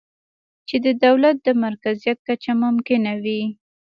چې د دولت د مرکزیت کچه ممکنه کوي